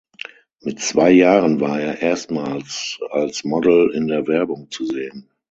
Mit zwei Jahren war er erstmals als Model in der Werbung zu sehen.